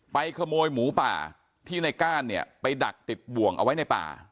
ขโมยหมูป่าที่ในก้านเนี่ยไปดักติดบ่วงเอาไว้ในป่า